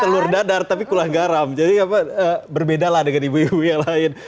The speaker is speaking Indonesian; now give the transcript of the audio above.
telur dadar tapi kulang garam jadi berbeda lah dengan ibu ibu yang lain